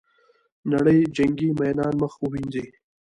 نړۍ جنګي میینان مخ ووینځي.